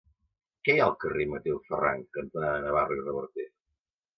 Què hi ha al carrer Mateu Ferran cantonada Navarro i Reverter?